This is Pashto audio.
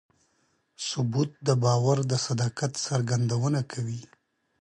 ثبوت د باور د صداقت څرګندونه کوي.